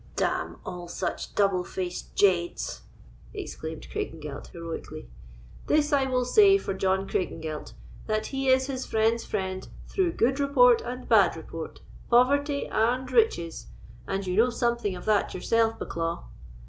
"D—n all such double faced jades!" exclaimed Craigengelt, heroically; "this I will say for John Craigengelt, that he is his friend's friend through good report and bad report, poverty and riches; and you know something of that yourself, Bucklaw."